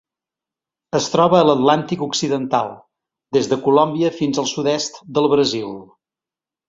Es troba a l'Atlàntic occidental: des de Colòmbia fins al sud-est del Brasil.